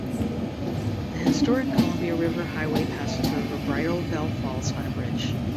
The Historic Columbia River Highway passes over Bridal Veil Falls on a bridge.